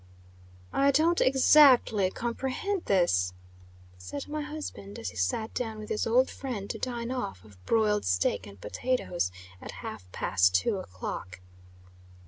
"I don't exactly comprehend this," said my husband, as he sat down with his old friend, to dine off of broiled steak and potatoes, at half past two o'clock.